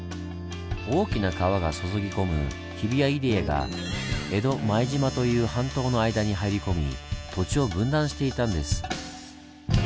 大きな川が注ぎ込む日比谷入江が江戸前島という半島の間に入り込み土地を分断していたんです。